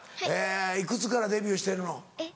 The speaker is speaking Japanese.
いくつからデビューしてるの？